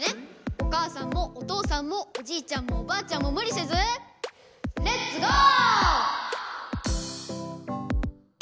おかあさんもおとうさんもおじいちゃんもおばあちゃんもむりせずレッツゴー！